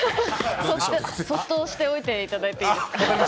そっとしておいていただいてごめんなさい。